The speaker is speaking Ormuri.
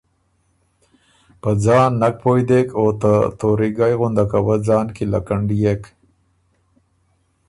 په ځان نک پویٛ دېک، او ته توریګئ غُندکه وه ځان کی لکنډيېک۔